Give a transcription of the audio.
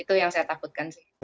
itu yang saya takutkan sih